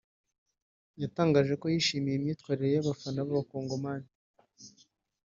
yatangaje ko yashimye imyitwarire y’Abafana b’Abakongomani